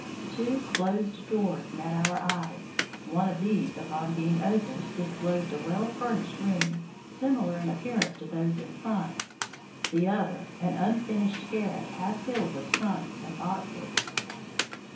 Two closed doors met our eyes. One of these upon being opened disclosed a well furnished room, similar in appearance to those in front, the other an unfinished garret half filled with trunks and boxes.